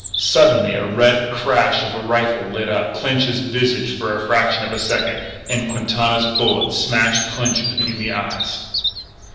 Suddenly the red crash of a rifle lit up Clinch's visage for a fraction of a second. And Quintana's bullet smashed Clinch between the eyes.